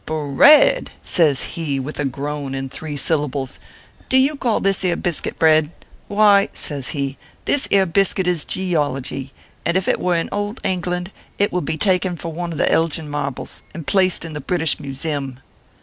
" Bread !" says he, with a groan in three syllables, " do you call this ere biscuit bread ? Why," says he, "this ere biscuit is Geology, and if it were in old Hingland, it would be taken for one of the Elgin marbles, and placed in the British Museum."